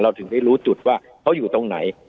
ถึงได้รู้จุดว่าเขาอยู่ตรงไหน